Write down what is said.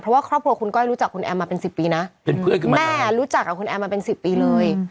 เพราะว่าครอบครัวคุณก้อยรู้จักคุณแอมมาเป็นสิบปีน่ะคือแม่รู้จักแอมมาเป็นสิบปีเลย